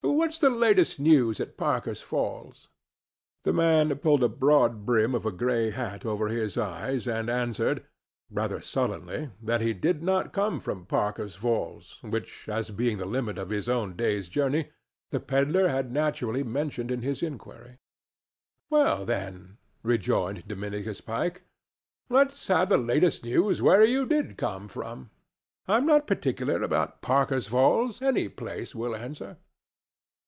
What's the latest news at Parker's Falls?" The man pulled the broad brim of a gray hat over his eyes, and answered, rather sullenly, that he did not come from Parker's Falls, which, as being the limit of his own day's journey, the pedler had naturally mentioned in his inquiry. "Well, then," rejoined Dominicus Pike, "let's have the latest news where you did come from. I'm not particular about Parker's Falls. Any place will answer."